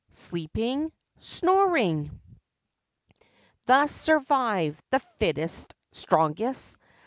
Sleeping ? Snoring! Thus survive the fittest—strongest.